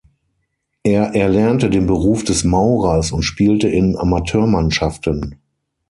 Er erlernte den Beruf des Maurers und spielte in Amateurmannschaften.